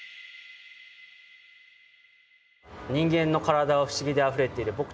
「人間の体は不思議であふれている！」